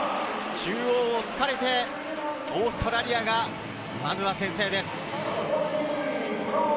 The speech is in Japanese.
中央を突かれて、オーストラリアがまずは先制です。